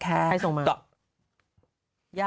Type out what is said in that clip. ใครส่งมา